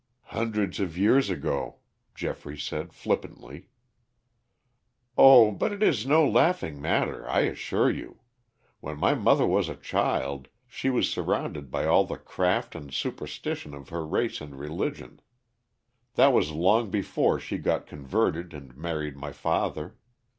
"Hundreds of years ago," Geoffrey said flippantly. "Oh, but it is no laughing matter, I assure you. When my mother was a child she was surrounded by all the craft and superstition of her race and religion. That was long before she got converted and married my father.